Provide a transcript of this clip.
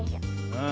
うん。